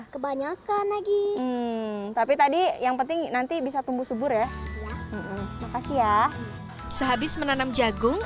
kebanyakan lagi tapi tadi yang penting nanti bisa tumbuh subur ya makasih ya sehabis menanam jagung